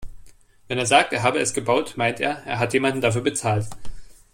Wenn er sagt, er habe es gebaut, meint er, er hat jemanden dafür bezahlt.